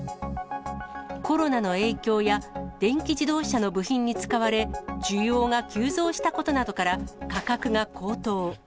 コロナの影響や電気自動車の部品に使われ、需要が急増したことなどから、価格が高騰。